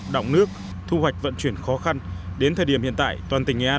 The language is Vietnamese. đọng nước thu hoạch vận chuyển khó khăn đến thời điểm hiện tại toàn tỉnh nghệ an